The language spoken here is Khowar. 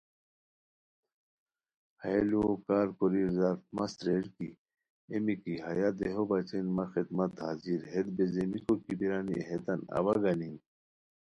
ہیہ لُوؤ کارکوری زرمست ریر کی اے میکی ہیہ دیہو بچین مہ خدمت حاضر، ہیت بیزیمیکو کی بیرانی ہیتان اوا گنیم